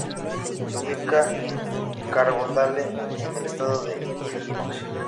Se ubica en Carbondale en el estado de Illinois.